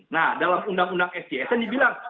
nah dalam undang undang sjsn dibilang